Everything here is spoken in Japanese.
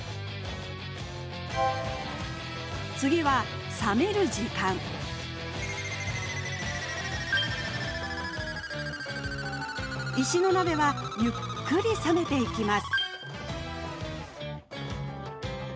次は冷める時間石の鍋はゆっくり冷めていきます